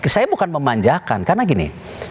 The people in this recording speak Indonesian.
saya bukan memanjakan karena gini